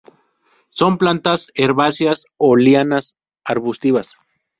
Son plantas herbáceas o lianas arbustivas.